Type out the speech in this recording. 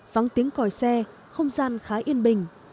vắng tiếng còi xe không gian khá yên bình